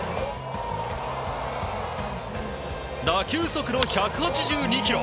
打球速度１８２キロ